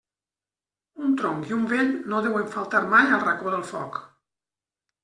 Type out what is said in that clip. Un tronc i un vell no deuen faltar mai al racó del foc.